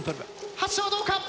発射はどうか？